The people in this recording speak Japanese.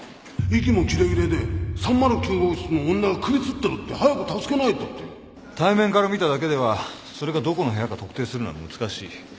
息も切れ切れで「３０９号室の女が首つってる」って「早く助けないと」って対面から見ただけではそれがどこの部屋か特定するのは難しい。